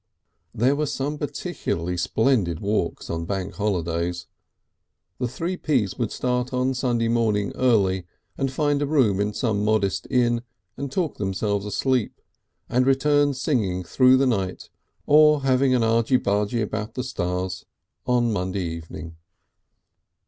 There were some particularly splendid walks on Bank holidays. The Three Ps would start on Sunday morning early and find a room in some modest inn and talk themselves asleep, and return singing through the night, or having an "argy bargy" about the stars, on Monday evening.